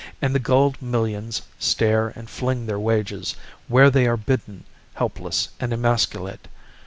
And the gulled millions stare and fling their wages Where they are bidden, helpless and emasculate.